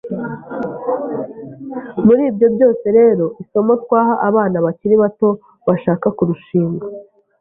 muri ibyo byose rero isomo twaha abana bakiri bato bashaka kurushinga,